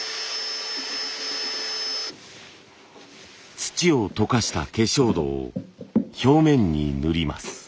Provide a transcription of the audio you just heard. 土を溶かした化粧土を表面に塗ります。